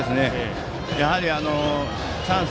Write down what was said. やはり、チャンス